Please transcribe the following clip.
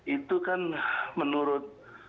itu kan menurut